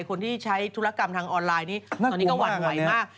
คนที่ใช้ธุรกรรมทางออนไลน์นี้ตอนนี้ก็หวั่นไหวมาก